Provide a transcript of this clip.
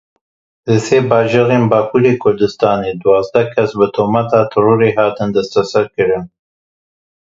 Li sê bajarên Bakurê Kurdistanê duwazdeh kes bi tohmeta terorê hatin desteserkirin.